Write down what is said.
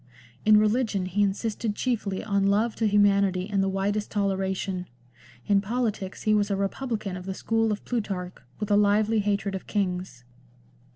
In religion he insisted chiefly on love to humanity and the widest toleration. In politics he was a republican of the school of Plutarch, with a lively hatred of kings.